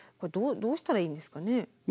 どうしたらいいんですかね？